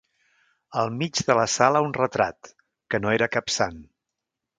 Al mig de la sala un retrat, que no era cap Sant